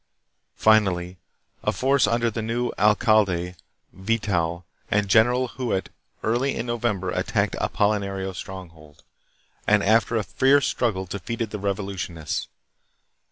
Finally a force under the new alcalde, Vital, and General Huet early in November attacked Apolinario's stronghold, and after a fierce struggle defeated the revolutionists.